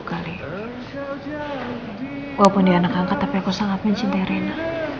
walaupun dia anak angkat tapi aku sangat ingin cintai reina